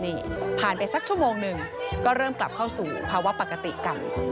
นี่ผ่านไปสักชั่วโมงหนึ่งก็เริ่มกลับเข้าสู่ภาวะปกติกัน